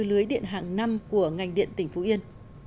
lưới điện hàng năm của ngành điện tỉnh phú yên